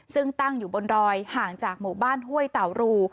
ซึ่งตั้งอยู่บนดอยห่างจากหมู่บ้านห้วยเต่ารู